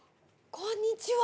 こんにちは。